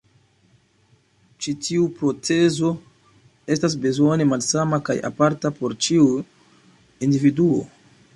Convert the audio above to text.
Ĉi tiu procezo estas bezone malsama kaj aparta por ĉiu individuo.